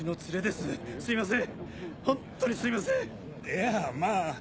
いやまぁ。